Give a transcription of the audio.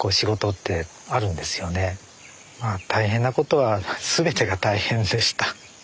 大変なことは全てが大変でした。